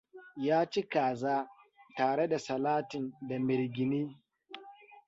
Ya ci kaza, tare da salatin da mirgine.